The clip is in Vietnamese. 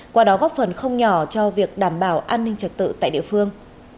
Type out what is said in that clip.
qua đó góp phần không nhỏ cho việc đảm bảo an ninh trật tự tại địa phương